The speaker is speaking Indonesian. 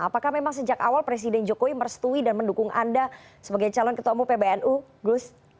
apakah memang sejak awal presiden jokowi merestui dan mendukung anda sebagai calon ketua umum pbnu gus